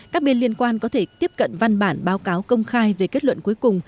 các bên liên quan có thể tiếp cận văn bản báo cáo công khai về kết luận cuối cùng